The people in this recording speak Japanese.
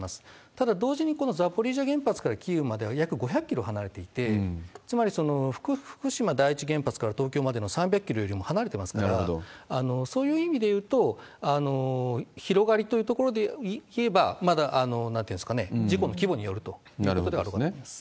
ただ、同時に、このザポリージャ原発からキーウまでは約５００キロ離れていて、つまり、福島第一原発から東京までの３００キロよりも離れてますから、そういう意味でいうと、広がりというところで言えば、なんていうんですかね、事故の規模によるということだと思います。